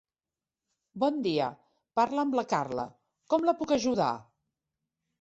Bon dia, parla amb la Carla, com la puc ajudar?